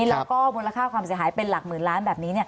แล้วก็มูลค่าความเสียหายเป็นหลักหมื่นล้านแบบนี้